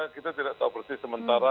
kita tidak tahu persis sementara